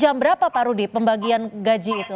jam berapa pak rudi pembagian gaji itu